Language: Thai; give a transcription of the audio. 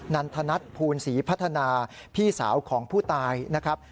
ันทนัทภูลศรีพัฒนาพี่สาวของผู้ตายนะครับ